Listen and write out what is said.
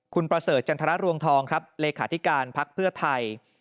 คุณประเสริฐจันทรรวงทองครับเลขาธิการพักเพื่อไทย